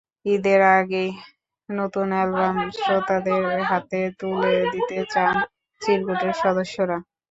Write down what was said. ঈদের আগেই নতুন অ্যালবাম শ্রোতাদের হাতে তুলে দিতে চান চিরকুটের সদস্যরা।